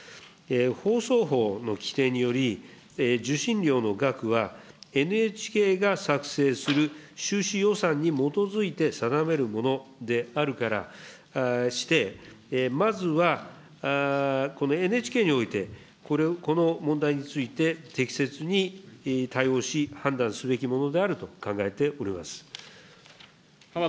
放送法の規定により、受信料の額は、ＮＨＫが作成する収支予算に基づいて定めるものであるからして、まずは、このＮＨＫにおいて、この問題について適切に対応し、判断すべきものであると考えております。